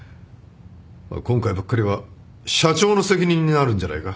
今回ばっかりは社長の責任になるんじゃないか？